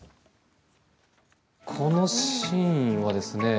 このシーンはですね。